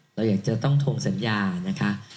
เราอยากจะต้องโทรสัญญานะคะ